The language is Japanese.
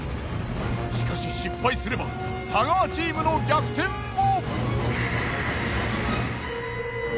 しかし失敗すれば太川チームの逆転も。